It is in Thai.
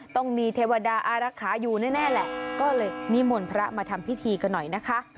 ต้องมีเทวดาอารักษาอยู่แน่แหละก็เลยนิมนต์พระมาทำพิธีกันหน่อยนะคะ